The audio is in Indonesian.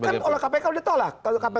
kan oleh kpk udah ditolak